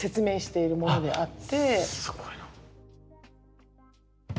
すごいな。